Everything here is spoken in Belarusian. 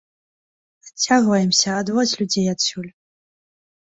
Адцягваемся, адводзь людзей адсюль!